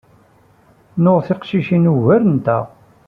Nuɣ tiqcicin ugarent-aɣ.